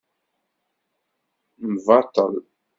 Mbaṭel.